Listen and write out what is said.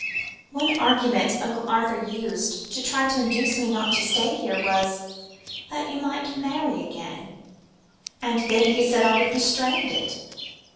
"One argument Uncle Arthur used to try and induce me not to stay here, was, that you might marry again, and then, he said, I should be stranded."